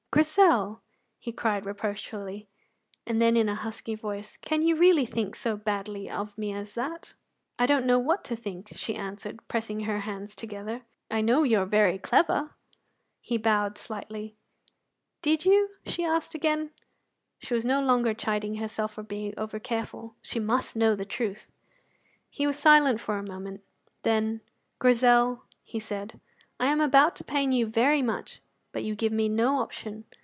"Grizel!" he cried reproachfully, and then in a husky voice: "Can you really think so badly of me as that?" "I don't know what to think," she answered, pressing her hands together, "I know you are very clever." He bowed slightly. "Did you?" she asked again. She was no longer chiding herself for being over careful; she must know the truth. He was silent for a moment. Then, "Grizel," he said, "I am about to pain you very much, but you give me no option.